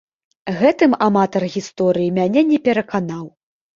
Гэтым аматар гісторыі мяне не пераканаў.